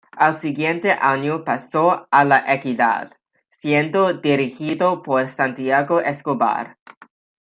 Al siguiente año pasó a La Equidad, siendo dirigido por Santiago Escobar.